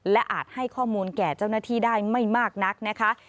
และอาจให้ข้อมูลแก่เจ้าหน้าที่ได้ไม่มากนักนะคะ